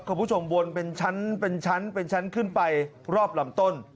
คุณผู้ชมวนเป็นชั้นเป็นชั้นเป็นชั้นขึ้นไปรอบลำต้น